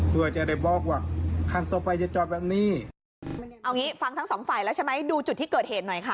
เอาอย่างงี้ฟังทั้งสองฝ่ายแล้วใช่ไหมดูจุดที่เกิดเหตุหน่อยค่ะ